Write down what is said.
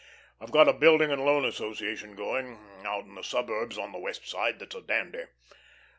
I've got a building and loan association going, out in the suburbs on the West Side, that's a dandy.